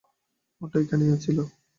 ওটা এখানেই ছিল।